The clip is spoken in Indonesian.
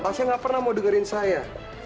tasya gak pernah mau dengerin saya